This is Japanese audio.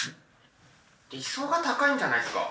理想が高いんじゃないっすか？